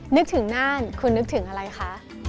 นึกถึงน่านคุณนึกถึงอะไรคะ